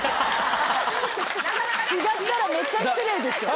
違ったらめっちゃ失礼でしょ。